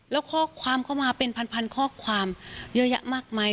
แล้วข้อความเข้ามาเป็นพันข้อความเยอะแยะมากมาย